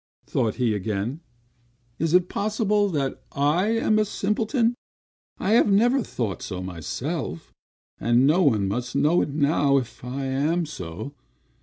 thought he again. "Is it possible that I am a simpleton? I have never thought so myself; and no one must know it now if I am so.